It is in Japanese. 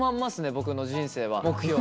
「僕の人生は」。